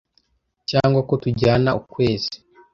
cyangwa ko tujyana ukwezi